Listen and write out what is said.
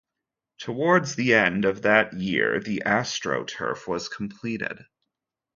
Towards the end of that year, the astroturf was completed.